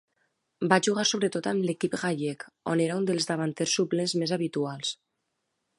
Va jugar sobretot amb l'equip gallec, on era un dels davanters suplents més habituals.